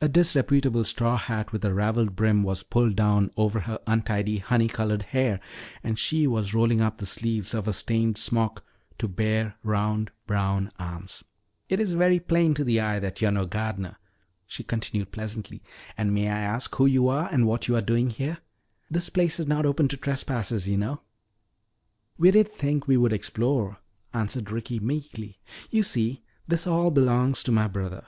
A disreputable straw hat with a raveled brim was pulled down over her untidy honey colored hair and she was rolling up the sleeves of a stained smock to bare round brown arms. "It's very plain to the eye that you're no gardener," she continued pleasantly. "And may I ask who you are and what you are doing here? This place is not open to trespassers, you know." "We did think we would explore," answered Ricky meekly. "You see, this all belongs to my brother."